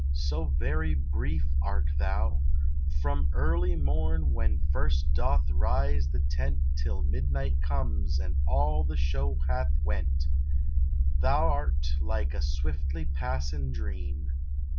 So very brief art thou, From early morn when first doth rise the tent Till midnight comes and all the show hath went; Thou rt like a swiftly passin dream.